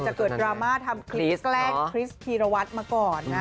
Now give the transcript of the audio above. เกิดดราม่าทำคลิปแกล้งคริสธีรวัตรมาก่อนนะ